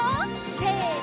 せの！